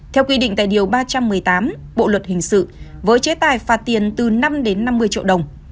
theo quy định tại điều ba trăm một mươi tám bộ luật hình sự với chế tài phạt tiền từ năm đến năm mươi triệu đồng